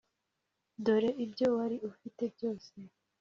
dore ibyo wari ufite byose,